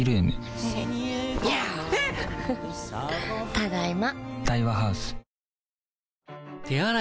ただいま。